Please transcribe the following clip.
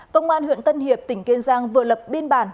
công an huyện tân hiệp tỉnh kiên giang vừa lập biên bản